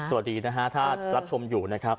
สวัสดีนะฮะถ้ารับชมอยู่นะครับ